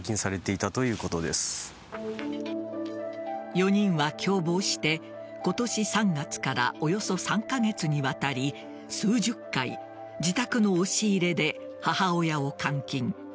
４人は共謀して今年３月からおよそ３カ月にわたり数十回自宅の押し入れで母親を監禁。